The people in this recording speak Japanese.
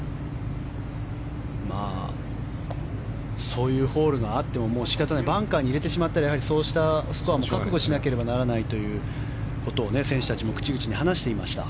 そういうホールがあっても仕方がないバンカーに入れてしまったらやはりそうしたスコアも覚悟しなければならないということを選手たちも口々に話していました。